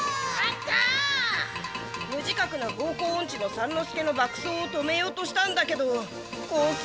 無自覚な方向オンチの三之助の爆走を止めようとしたんだけどコース